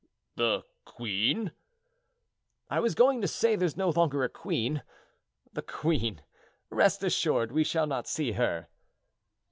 "The queen!" "I was going to say, there's no longer a queen. The queen! Rest assured, we shall not see her."